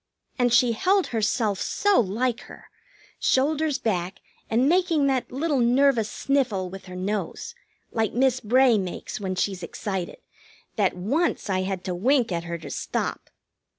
And she held herself so like her, shoulders back, and making that little nervous sniffle with her nose, like Miss Bray makes when she's excited, that once I had to wink at her to stop.